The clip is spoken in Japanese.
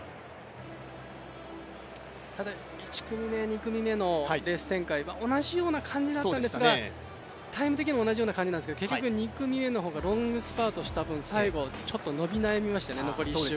ただ１組目、２組目のレース展開は同じような感じだったんですがタイム的には同じような感じですけど、２組目の方がロングスパートした分、最後の１周でちょっと伸び悩みましたよね。